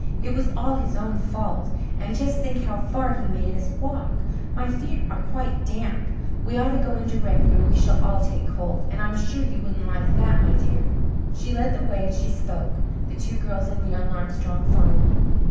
It was all his own fault. And just think how far he made us walk! My feet are quite damp. We ought to go in directly or we shall all take cold, and I'm sure you wouldn't like that, my dear." She led the way as she spoke, the two girls and young Armstrong following.